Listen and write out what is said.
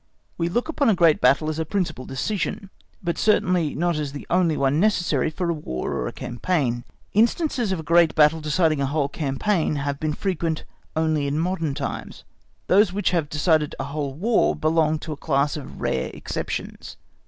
We look upon a great battle as a principal decision, but certainly not as the only one necessary for a War or a campaign. Instances of a great battle deciding a whole campaign, have been frequent only in modern times, those which have decided a whole War, belong to the class of rare exceptions.